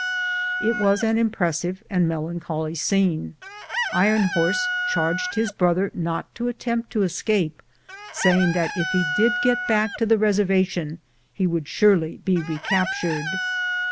It was an impressive and melancholy scene. Iron Horse charged his brother not to attempt to escape, saying, that if he did get back to the reservation ho would surely be recaptured.